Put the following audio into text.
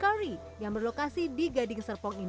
kari yang berlokasi di gading serpong